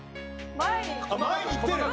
前に行ってる！